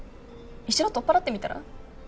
一度取っ払ってみたら？